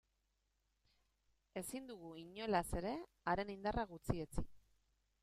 Ezin dugu, inolaz ere, haren indarra gutxietsi.